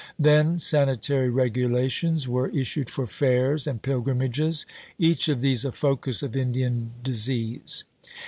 Then, sanitary regulations were issued for fairs and pilgrimages each of these a focus of Indian disease.